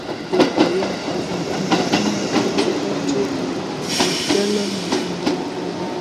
د بیان ازادي مهمه ده ځکه چې ظلم مخنیوی کوي.